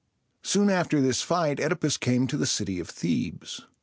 Soon after this fight, OEdipus came to the city of Thebes.